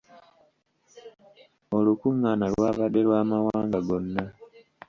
Olukungaana lwabadde lwa mawanga gonna.